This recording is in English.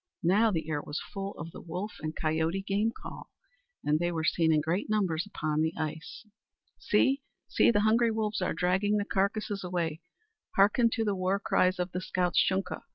Now the air was full of the wolf and coyote game call, and they were seen in great numbers upon the ice. "See, see! the hungry wolves are dragging the carcasses away! Harken to the war cries of the scout's Shunka!